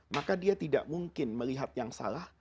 maka dia tidak mungkin melihat yang salah